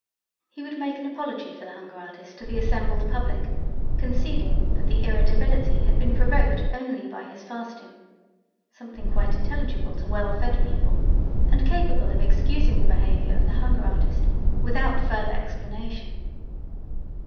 He would make an apology for the hunger artist to the assembled public, conceding that the irritability had been provoked only by his fasting, something quite intelligible to well fed people and capable of excusing the behaviour of the hunger artist without further explanation.